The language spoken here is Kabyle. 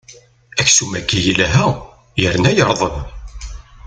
Aksum-agi yelha yerna yerḍeb.